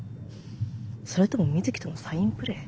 それとも水木とのサインプレー？